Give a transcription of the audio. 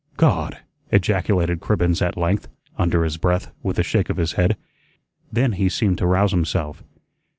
"God!" ejaculated Cribbens at length, under his breath, with a shake of his head. Then he seemed to rouse himself.